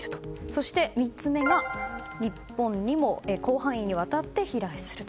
そして３つ目が日本にも広範囲にわたって飛来すると。